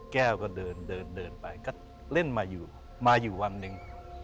แก้วก็เดินเดินไปก็เล่นมาอยู่มาอยู่วันหนึ่ง